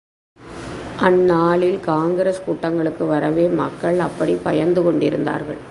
அந்நாளில் காங்கிரஸ் கூட்டங்களுக்கு வரவே மக்கள் அப்படிப் பயந்து கொண்டிருந்தார்கள்.